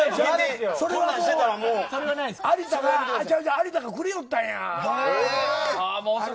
有田がくれよったんや。